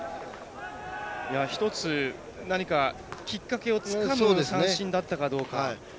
一つ、何かきっかけをつかむ三振だったかどうか。